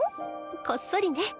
こっそりね。